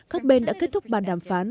các bên đã kết thúc bàn đàm phán